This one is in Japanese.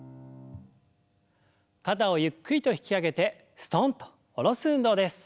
肩をゆっくりと引き上げてすとんと下ろす運動です。